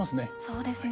そうですね。